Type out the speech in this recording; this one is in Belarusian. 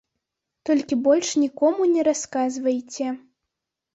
Толькі больш нікому не расказвайце.